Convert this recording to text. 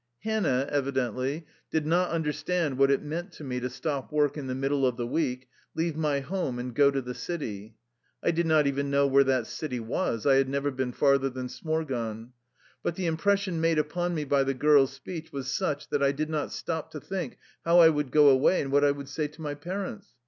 Hannah, evidently, did not understand what it meant to me to stop work in the middle of the week, leave my home, and go to the city. I did not even know where that city was. I had never been farther than Smorgon. But the impres sion made upon me by the girl's speech was such that I did not stop to think how I would go away and what I would say to my parents.